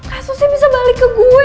kasusnya bisa balik ke gue